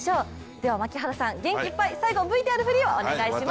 では槙原さん、元気いっぱい、最後ＶＴＲ振りをお願いします。